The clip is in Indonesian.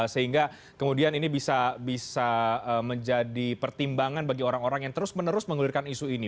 sehingga kemudian ini bisa menjadi pertimbangan bagi orang orang yang terus menerus mengulirkan isu ini